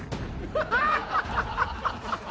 ハハハハ！